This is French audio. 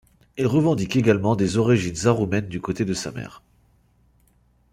Il revendique également des origines aroumaines du côté de sa mère.